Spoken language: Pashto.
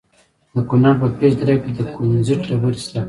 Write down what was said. د کونړ په پيچ دره کې د کونزیټ ډبرې شته.